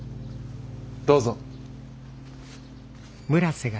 どうぞ。